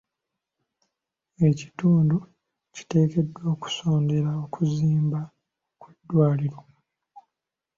Ekitundu kiteekeddwa okusondera okuzimba kw'eddwaliro.